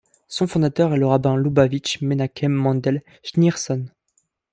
Son fondateur est le rabbin Loubavitch Menachem Mendel Schneerson.